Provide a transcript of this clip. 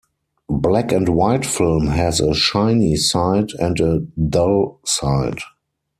Black-and-white film has a "shiny" side and a "dull" side.